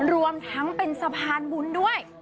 รวมทั้งเป็นสะพานบุญด้วย